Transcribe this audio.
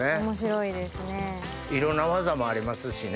いろんな技もありますしね